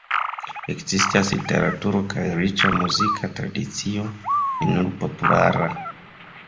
Ekzistas literaturo kaj riĉa muzika tradicio, ne nur populara.